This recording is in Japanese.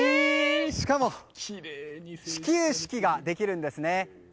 しかも、始球式ができるんですね。